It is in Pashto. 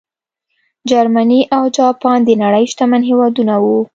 جرمني او جاپان د نړۍ شتمن هېوادونه وو.